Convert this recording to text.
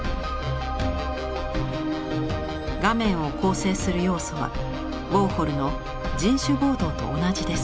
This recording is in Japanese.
画面を構成する要素はウォーホルの「人種暴動」と同じです。